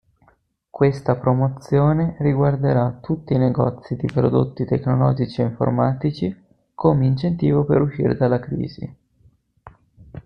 Questa promozione riguarderà tutti i negozi di prodotti tecnologici e informatici come incentivo per uscire dalla crisi.